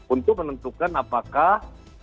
untuk menentukan apakah